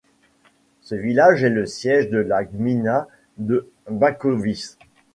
Ce village est le siège de la gmina de Baćkowice.